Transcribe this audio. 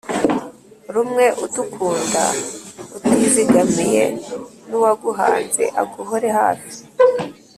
Rumwe udukunda utizigamiyeN’uwaguhanze aguhore hafi